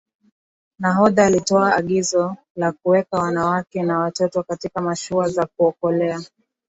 nahodha alitoa agizo la kuweka wanawake na watoto katika mashua za kuokolea